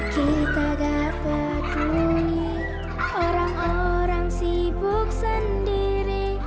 kita gak peduli orang orang sibuk sendiri